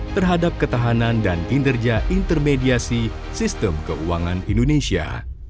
terhadap ketahanan dan kinerja intermediasi sistem keuangan indonesia